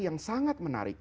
yang sangat menarik